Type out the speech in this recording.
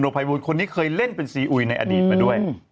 มโนไพบูรต์คนที่เคยเล่นเป็นซีอุ่ยในอดีตมาด้วย